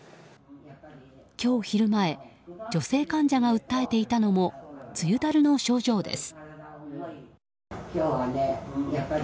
今日昼前、女性患者が訴えていたのも梅雨だるの症状です。